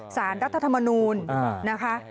สารรัฐธรรมนูลนะคะ